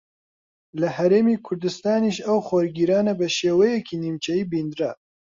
لە ھەرێمی کوردستانیش ئەو خۆرگیرانە بە شێوەیەکی نیمچەیی بیندرا